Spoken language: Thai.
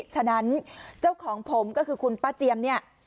ฉะนั้นเจ้าของผมก็คือคุณป้าเจียมเนี่ย